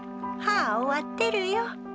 はあ終わってるよ。